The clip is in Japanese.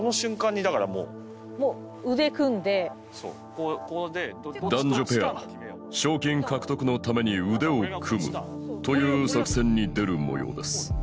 ホントだ男女ペア賞金獲得のために腕を組むという作戦に出るもようです